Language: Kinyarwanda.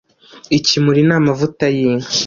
ikimuri ni amavuta yinka